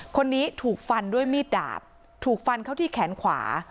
คนนี้ถูกฟันด้วยมีดดาบถูกฟันเข้าที่แขนขวา